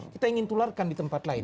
kita ingin tularkan di tempat lain